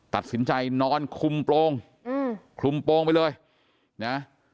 ตัดสินใจนอนคุมโปรงอืมคลุมโปรงไปเลยนะ